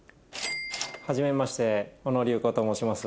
はじめまして小野龍光と申します。